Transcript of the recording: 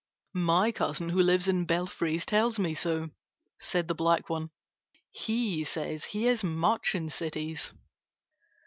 "My cousin who lives in belfries tells me so," said the black one. "He says he is much in cities."